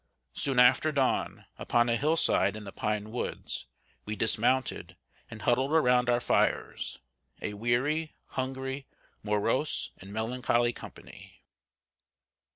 Soon after dawn, upon a hill side in the pine woods, we dismounted, and huddled around our fires, a weary, hungry, morose, and melancholy company.